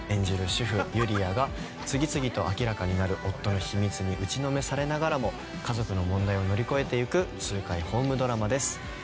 主婦ゆりあが次々と明らかになる夫の秘密に打ちのめされながらも家族の問題を乗り越えていく痛快ホームドラマです。